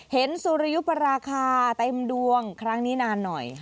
สุริยุปราคาเต็มดวงครั้งนี้นานหน่อย